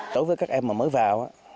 đối với các em mà mới vào